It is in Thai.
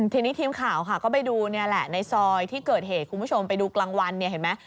ทีนี้ทีมข่าวค่ะก็ไปดูเนี่ยแหละในซอยที่เกิดเหตุคุณผู้ชมไปดูกลางวันเนี่ยเห็นไหม